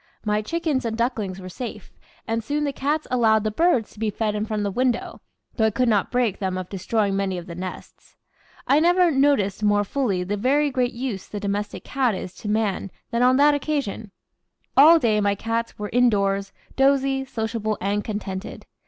My chickens and ducklings were safe, and soon the cats allowed the birds to be fed in front of the window, though I could not break them of destroying many of the nests. I never NOTICED more fully the very great use the domestic cat is to man than on that occasion. All day my cats were indoors, dozy, sociable, and contented.